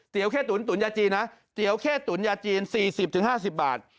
เตี๋ยวเข้ตุ๋นตุ๋นยาจีนนะเตี๋ยวเข้ตุ๋นยาจีน๔๐๕๐บาท